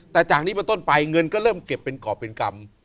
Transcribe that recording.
แต่จากนี้เป็นต้นไปเงินก็เริ่มเก็บเป็นกรอบเป็นกรรม